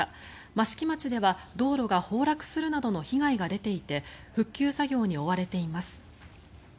益城町では道路が崩落するなどの被害が出ていて復旧作業に追われています。